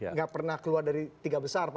nggak pernah keluar dari tiga besar